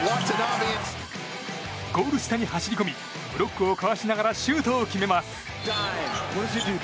ゴール下に走り込みブロックをかわしながらシュートを決めます。